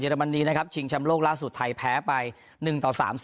เยรมันนี้นะครับชิงชำโลกล่าสุดไทยแพ้ไปหนึ่งต่อสาม